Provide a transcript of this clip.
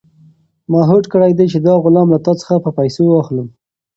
ما هوډ کړی دی چې دا غلام له تا څخه په پیسو واخلم.